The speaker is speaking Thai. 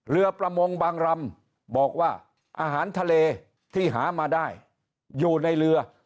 เรือประมงบางรำบอกว่าอาหารทะเลที่หามาได้อยู่ในเรือ